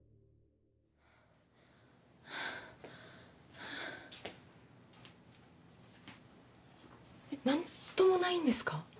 えっ何ともないんですか？